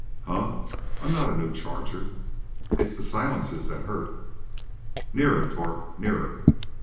"Huh! I'm not a new charger. It's the silences that hurt. Nearer, Torp!—nearer!